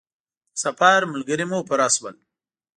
د سفر ملګري مو پوره شول.